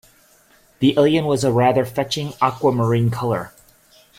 The alien was a rather fetching aquamarine colour.